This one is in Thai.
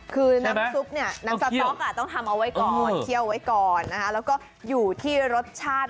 คือน้ำซุปเนี่ยน้ำสต๊อกต้องทำเอาไว้ก่อนเคี่ยวไว้ก่อนนะคะแล้วก็อยู่ที่รสชาติ